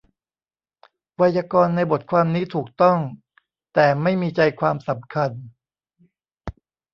ไวยากรณ์ในบทความนี้ถูกต้อง แต่ไม่มีใจความสำคัญ